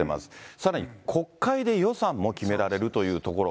さらに国会で予算も決められるというところ。